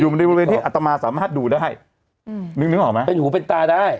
อยู่ในบริเวณที่อัตมาสามารถดูได้อืมนึกนึกออกไหมเป็นหูเป็นตาได้